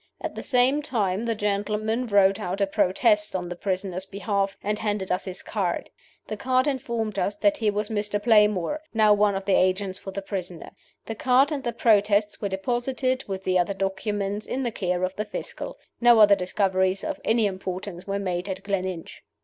At the same time the gentleman wrote out a protest on the prisoner's behalf, and handed us his card. The card informed us that he was Mr. Playmore, now one of the Agents for the prisoner. The card and the protest were deposited, with the other documents, in the care of the Fiscal. No other discoveries of any importance were made at Gleninch.